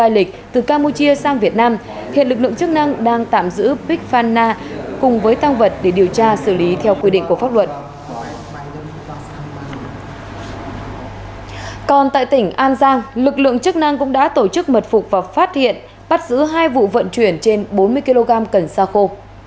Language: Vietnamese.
lực lượng chức năng cũng đã tổ chức mật phục và phát hiện bắt giữ hai vụ vận chuyển trên bốn mươi kg cần xa khô